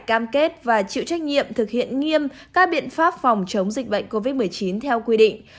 cam kết và chịu trách nhiệm thực hiện nghiêm các biện pháp phòng chống dịch bệnh covid một mươi chín theo quy định